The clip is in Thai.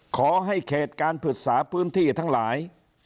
ขอให้เขตการปรึกษาพื้นที่ทั้งหลาย